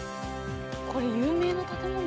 これ有名な建物？